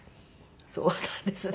そうなんですね。